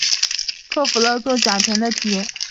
克服了做醛的交叉羟醛反应时醛的自身缩合问题。